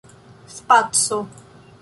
spaco